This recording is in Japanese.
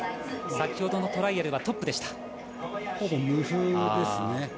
先ほどのトライアルはトップでしほぼ無風ですね。